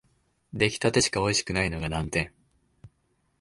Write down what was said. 出来立てしかおいしくないのが難点